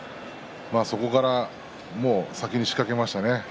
そこから先に先に仕掛けましたね。